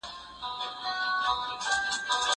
زه کولای سم مينه وښيم؟!